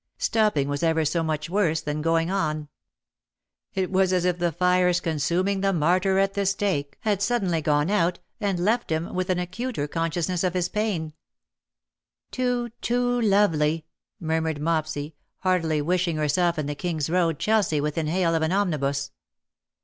Stopping was ever so much worse than going on. It was as if the fires consuming the martyr at the 220 '' HIS LADY SMILES J stake had suddenly gone out^ and left him with an acuter consciousness of his pain. ^' Too, too lovely/^ murmured Mopsy, heartily wishing herself in the King's Road, Chelsea, within hail of an omnibus.